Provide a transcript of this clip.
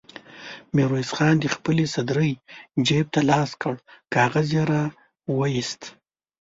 ميرويس خان د خپلې سدرۍ جېب ته لاس کړ، کاغذ يې را وايست.